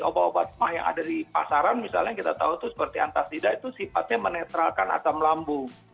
obat obat mah yang ada di pasaran misalnya kita tahu itu seperti antasida itu sifatnya menetralkan asam lambung